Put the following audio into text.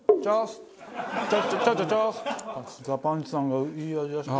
ザパンチさんがいい味出してる。